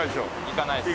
行かないです。